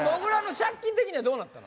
借金的にはどうなったの？